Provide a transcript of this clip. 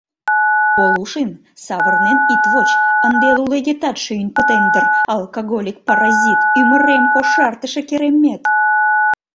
Полушин, савырнен ит воч, ынде лулегетат шӱйын пытен дыр, алкоголик-паразит, ӱмырем кошартыше керемет!